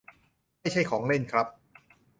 ไม่ใช่ของเล่นครับ